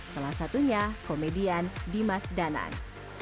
salah satunya komedian dimas danan